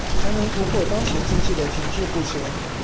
才能突破當前經濟的停滯不前